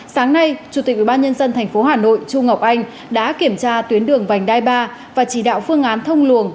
sáng nay chủ tịch ubnd tp hà nội chu ngọc anh đã kiểm tra tuyến đường vành đai ba và chỉ đạo phương án thông luồng